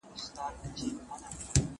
نوماند